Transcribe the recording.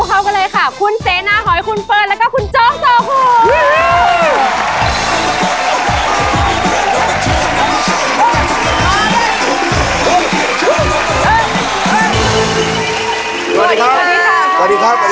ใช่หนูเป็นสายบีบอย